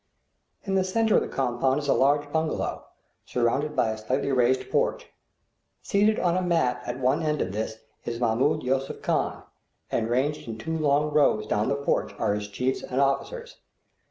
In the centre of the compound is a large bungalow, surrounded by a slightly raised porch. Seated on a mat at one end of this is Mahmoud Yusuph Khan, and ranged in two long rows down the porch are his chiefs and officers.